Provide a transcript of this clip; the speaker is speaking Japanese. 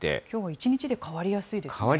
きょうは一日で変わりやすいですね。